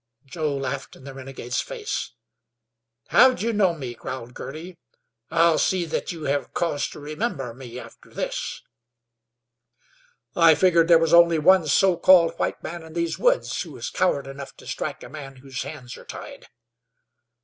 Joe laughed in the renegades face. "How'd you knew me?" growled Girty. "I'll see thet you hev cause to remember me after this." "I figured there was only one so called white man in these woods who is coward enough to strike a man whose hands are tied."